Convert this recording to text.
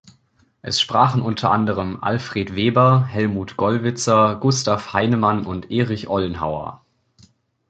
Es sprachen unter anderem Alfred Weber, Helmut Gollwitzer, Gustav Heinemann und Erich Ollenhauer.